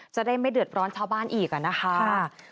จะได้ไม่เดือดร้อนชาวบ้านอีกนะคะ